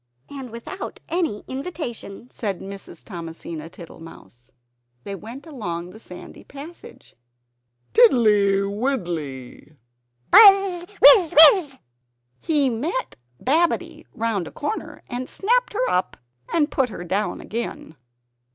"And without any invitation!" said Mrs. Thomasina Tittlemouse. They went along the sandy passage "Tiddly, widdly " "Buzz! Wizz! Wizz!" He met Babbitty round a corner, and snapped her up, and put her down again.